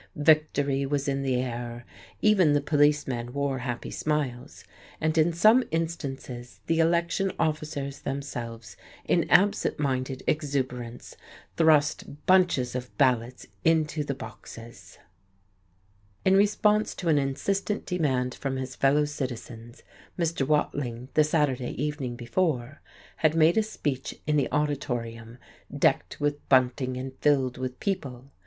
Victory was in the air. Even the policemen wore happy smiles, and in some instances the election officers themselves in absent minded exuberance thrust bunches of ballots into the boxes! In response to an insistent demand from his fellow citizens Mr. Watling, the Saturday evening before, had made a speech in the Auditorium, decked with bunting and filled with people.